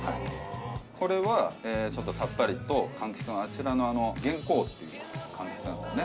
これはちょっとさっぱりと柑橘のあちらのげんこうっていう柑橘なんですね